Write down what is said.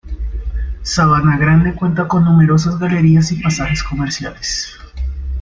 Sabana Grande cuenta con numerosas galerías y pasajes comerciales.